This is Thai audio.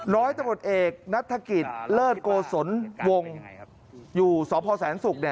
ร้อยตำรวจเอกนัฐกิจเลิศโกศลวงอยู่สพแสนศุกร์